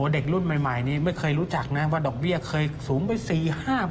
เด็กรุ่นใหม่นี้ไม่เคยรู้จักนะว่าดอกเบี้ยเคยสูงไป๔๕